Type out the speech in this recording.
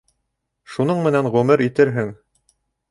Шуның менән ғүмер итерһең.